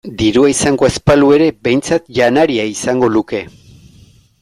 Dirua izango ez balu ere behintzat janaria izango luke.